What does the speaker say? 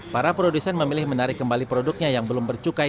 para produsen memilih menarik kembali produknya yang belum bercukai